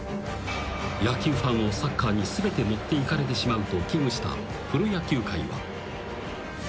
［野球ファンをサッカーに全て持っていかれてしまうと危惧したプロ野球界は］